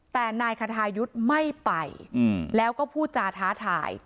แต่นายคทายุทธ์ไม่ไปแล้วก็พูดจาท้าทาย